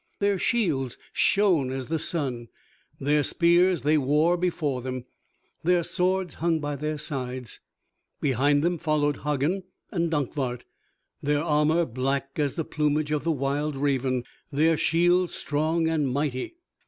Their shields shone as the sun, their spears they wore before them, their swords hung by their sides. Behind them followed Hagen and Dankwart, their armor black as the plumage of the wild raven, their shields strong and mighty.